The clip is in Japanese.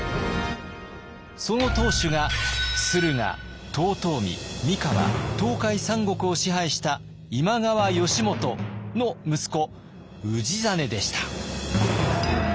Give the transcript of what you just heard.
その当主が駿河遠江三河東海三国を支配した今川義元の息子氏真でした。